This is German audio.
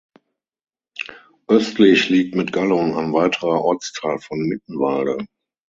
Östlich liegt mit Gallun ein weiterer Ortsteil von Mittenwalde.